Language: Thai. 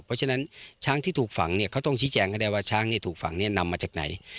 เพราะฉะนั้นช้างที่ถูกฝังเนี่ยเขาต้องชี้แจงให้ได้ว่าช้างถูกฝังเนี่ยนำมาจากไหน